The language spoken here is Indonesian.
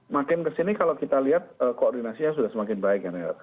makin kesini kalau kita lihat koordinasinya sudah semakin baik